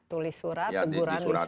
tulis surat teguran lisan